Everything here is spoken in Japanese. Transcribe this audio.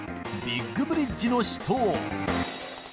「ビッグブリッヂの死闘」